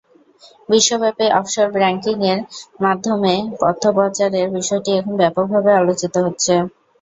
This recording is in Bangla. বিশ্বব্যাপী অফশোর ব্যাংকিংয়ের মাধ্যমে অর্থ পাচারের বিষয়টি এখন ব্যাপকভাবে আলোচিত হচ্ছে।